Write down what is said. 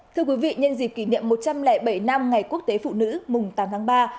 thưa quý vị nhân dịp kỷ niệm một trăm linh bảy năm ngày quốc tế phụ nữ mùng tám tháng ba